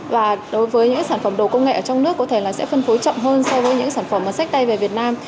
và đối với những sản phẩm đồ công nghệ ở trong nước có thể là sẽ phân phối chậm hơn so với những sản phẩm mà sách tay về việt nam